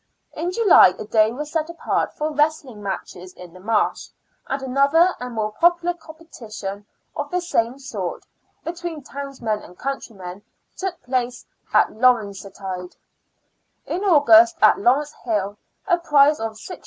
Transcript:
In July a day was set apart for wrestling matches in the Marsh, and another and more popular competition of the same sort, between tov^oismen and countrymen took place at Lawrencetide, in August, at Lawrence Hill, a prize of 6s.